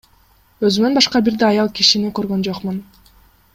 Өзүмөн башка бир да аял кишини көргөн жокмун.